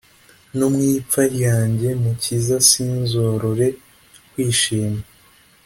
No mu ipfa ryanjye mukiza sinzorore kwishima